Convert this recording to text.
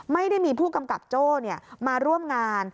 ไม่ได้มีผู้กำกับโจ้มาร่วมงาน